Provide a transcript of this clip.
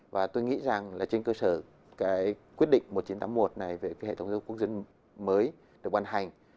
và tôi nghĩ rằng là trên cơ sở cái quyết định một nghìn chín trăm tám mươi một này về cái hệ thống giáo dục quốc dân mới được ban hành